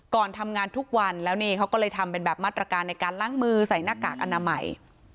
ก่อนทำงานทุกวันแล้วนี่เขาก็เลยทำเป็นแบบมาตรการในการล้างมือใส่หน้ากากอนามัย